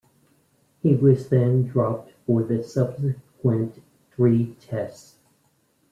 He was then dropped for the subsequent three Tests.